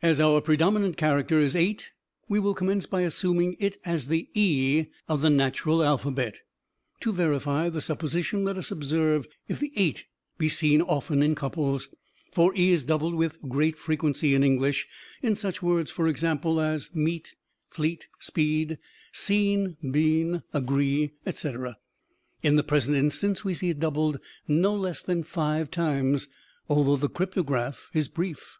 As our predominant character is 8, we will commence by assuming it as the e of the natural alphabet. To verify the supposition, let us observe if the 8 be seen often in couples for e is doubled with great frequency in English in such words, for example, as 'meet,' 'fleet,' 'speed,' 'seen,' 'been,' 'agree,' etc. In the present instance we see it doubled no less than five times, although the cryptograph is brief.